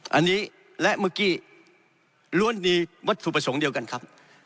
อันนี้และเมื่อกี้ล้วนมีวัตถุประสงค์เดียวกันครับ